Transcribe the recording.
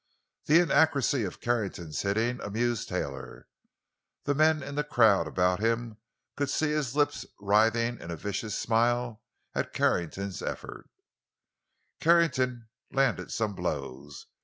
The inaccuracy of Carrington's hitting amused Taylor; the men in the crowd about him could see his lips writhing in a vicious smile at Carrington's efforts. Carrington landed some blows.